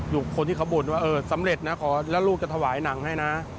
คนที่เขาบ่นว่าเออสำเร็จนะขอแล้วลูกจะถวายหนังให้นะ